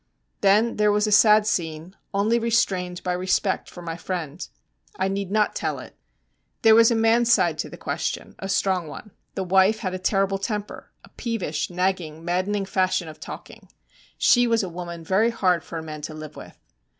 Then there was a sad scene, only restrained by respect for my friend. I need not tell it. There was a man's side to the question, a strong one. The wife had a terrible temper, a peevish, nagging, maddening fashion of talking. She was a woman very hard for a man to live with.